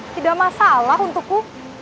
tidak masalah untukku